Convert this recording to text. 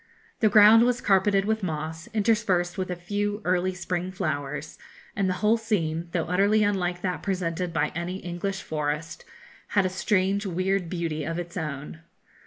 The ground was carpeted with moss, interspersed with a few early spring flowers, and the whole scene, though utterly unlike that presented by any English forest, had a strange weird beauty of its own.